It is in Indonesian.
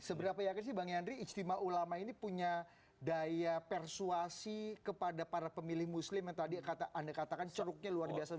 seberapa yakin sih bang yandri istimewa ulama ini punya daya persuasi kepada para pemilih muslim yang tadi anda katakan ceruknya luar biasa